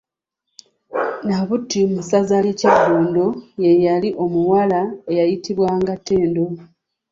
Nabuti mu ssaza lye Kyaddondo ye yali omuwala eyayitibwanga Ttendo.